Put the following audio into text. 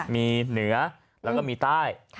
มีเหนือแล้วก็มีใต้